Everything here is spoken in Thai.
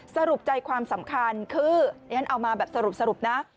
สรุปใจความสำคัญคือเรียนเอามาแบบสรุปนะ